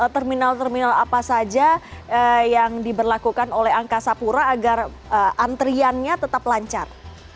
terminal terminal apa saja yang diberlakukan oleh angkasa pura agar antriannya tetap lancar